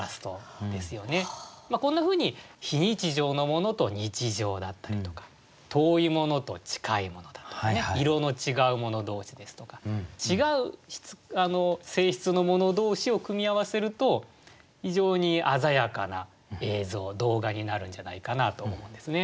こんなふうに非日常のものと日常だったりとか遠いものと近いものだとかね色の違うもの同士ですとか違う性質のもの同士を組み合わせると非常に鮮やかな映像動画になるんじゃないかなと思うんですね。